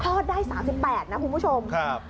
อดได้๓๘นะคุณผู้ชม